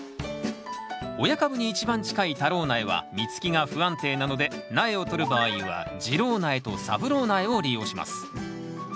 親株に一番近い太郎苗は実つきが不安定なので苗を取る場合は次郎苗と三郎苗を利用します。